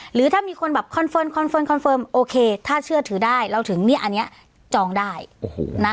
หรือถ้ามีคนแบบคอนเฟิร์คอนเฟิร์คอนเฟิร์มโอเคถ้าเชื่อถือได้เราถึงเนี่ยอันนี้จองได้โอ้โหนะ